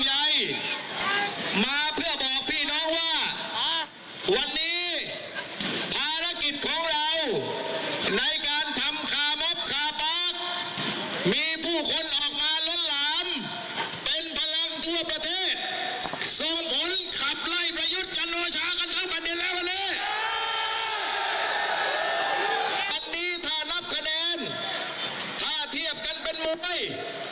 อันนี้ถ้านับคะแนนถ้าเทียบกันเป็นมวย